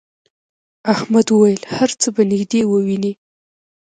احمد وویل هر څه به نږدې ووینې.